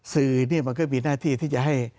สื่อเนี่ยมันก็มีหน้าที่ที่จะให้